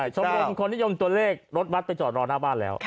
ชมรมคนนิยมตัวเลขรถบัตรไปจอดรอหน้าบ้านแล้ว